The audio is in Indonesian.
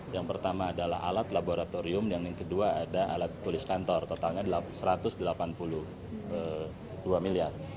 yang pertama adalah alat laboratorium yang kedua ada alat tulis kantor totalnya satu ratus delapan puluh dua miliar